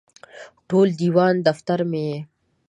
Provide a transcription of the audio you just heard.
ټول دیوان دفتر مې یې